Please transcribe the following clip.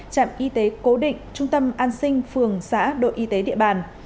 trạm y tế cố định trung tâm an sinh phường xã đội y tế địa bàn